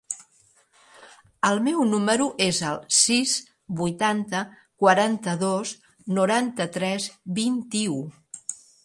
El meu número es el sis, vuitanta, quaranta-dos, noranta-tres, vint-i-u.